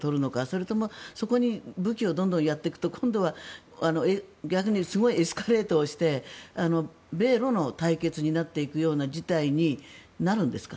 それと、そこに武器をどんどんやっていくと今度は逆にすごいエスカレートして米ロの対決になっていくような事態になるんですか。